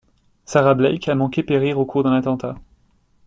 Sarah Blake a manqué périr au cours d'un attentat.